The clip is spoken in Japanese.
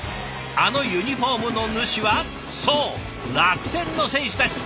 あのユニフォームの主はそう楽天の選手たち。